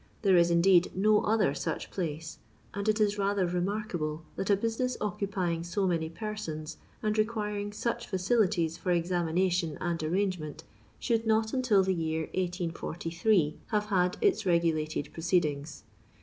There is indeed no other such place, and it is rather remarkable that a business occupying so many persons, and requiring such facilities for examination and arrangement, should not until the year 1843 have had its regulated proceedings.